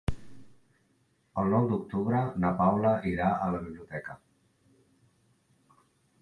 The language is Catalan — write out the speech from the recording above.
El nou d'octubre na Paula irà a la biblioteca.